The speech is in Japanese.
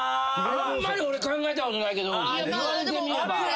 あんまり俺考えたことないけど言われてみれば。